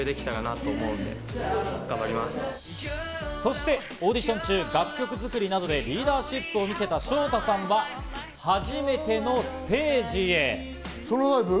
そしてオーディション中、楽曲作りなどでリーダーシップを見せたＳＨＯＴＡさんは初めてのソロライブ？